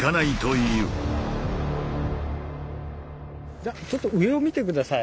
じゃちょっと上を見て下さい。